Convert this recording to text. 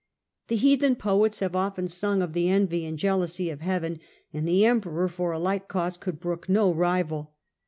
The heathen poets have often sung of the envy and jealousy of heaven ; and the Emperor for a like cause could brook no rival.